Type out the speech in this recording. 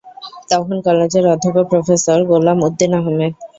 তখন কলেজের অধ্যক্ষ প্রফেসর গোলাম উদ্দিন আহম্মেদ।